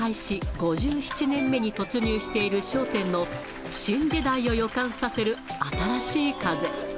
５７年目に突入している笑点の新時代を予感させる新しい風。